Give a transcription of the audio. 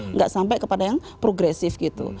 nggak sampai kepada yang progresif gitu